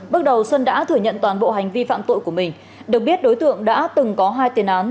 bước đầu xuân đã thừa nhận toàn bộ hành vi phạm tội của mình được biết đối tượng đã từng có hai tiền án